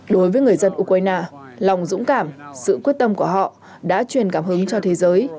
đối với người dân ukraine lòng dũng cảm sự quyết tâm của họ đã truyền cảm hứng cho thế giới